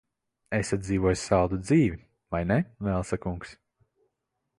Esat dzīvojis saldu dzīvi, vai ne, Velsa kungs?